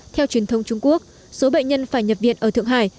theo truyền thông trung quốc số bệnh nhân phải nhập viện ở thượng hải